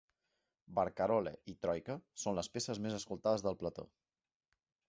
"Barcarolle" i "Troika" són les peces més escoltades del plató.